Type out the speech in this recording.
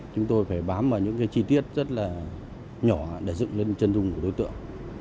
chúng tôi phải bám vào những cái chi tiết rất là nhỏ để dựng lên chân dung của đối tượng